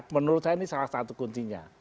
menurut saya ini salah satu kuncinya